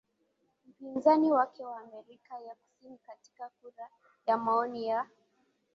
Mpinzani wake wa Amerika ya Kusini katika kura ya maoni ya